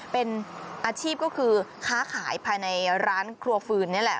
เป็นอาชีพก็คือค้าขายภายในร้านครัวฟืนนี่แหละ